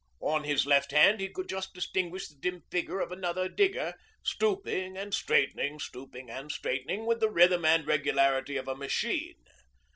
On his left hand he could just distinguish the dim figure of another digger, stooping and straightening, stooping and straightening, with the rhythm and regularity of a machine.